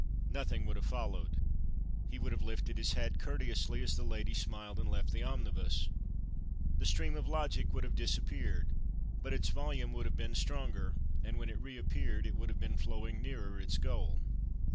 Nothing would have followed. He would have lifted his hat courteously as the lady smiled and left the omnibus. The stream of logic would have disappeared. But its volume would have been stronger, and when it reappeared, it would have been flowing nearer its goal.